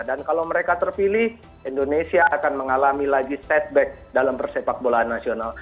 dan kalau mereka terpilih indonesia akan mengalami lagi setback dalam persepakbolaan nasional